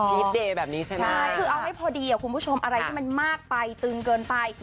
คือเอาให้พอดีอ่ะคุณผู้ชมอะไรที่มันมากไปตื้นเกินไป